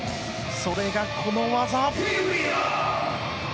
それが、この技！